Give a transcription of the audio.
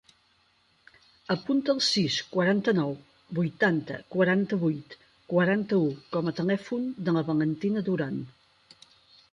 Apunta el sis, quaranta-nou, vuitanta, quaranta-vuit, quaranta-u com a telèfon de la Valentina Duran.